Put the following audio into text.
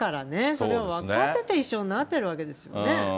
それを分かってて一緒になっているわけなんですよね。